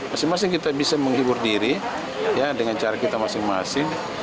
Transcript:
masing masing kita bisa menghibur diri dengan cara kita masing masing